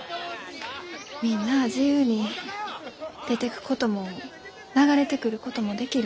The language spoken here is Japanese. みんなあ自由に出てくことも流れてくることもできる。